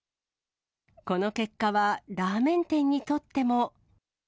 この結果はラーメン店にとっても。